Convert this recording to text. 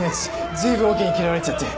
随分オケに嫌われちゃって。